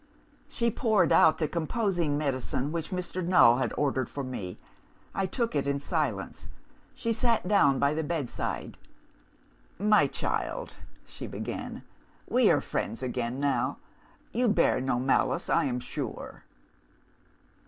"She poured out the composing medicine which Mr. Null had ordered for me. I took it in silence. She sat down by the bedside. "'My child,' she began, 'we are friends again now. You bear no malice, I am sure.